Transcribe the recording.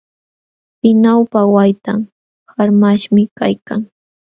Pinawpa waytan qarmaśhmi kaykan.